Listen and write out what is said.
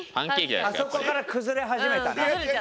あそこから崩れ始めたな。